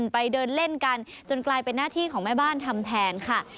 ไปเดินเล่นกันจนกลายเป็นหน้าที่ของแม่บ้านทำแทนค่ะ